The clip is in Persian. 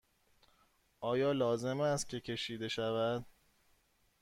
آیا لازم است که کشیده شود؟